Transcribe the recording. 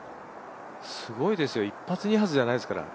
すごいですよ、１発、２発じゃないですから。